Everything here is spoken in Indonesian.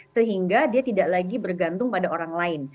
sehingga dia tidak lagi bergantung pada orang lain